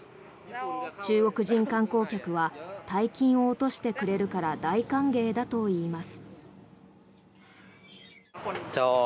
中国人観光客は大金を落としてくれるから大歓迎だといいます。